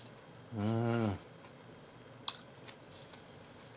うん。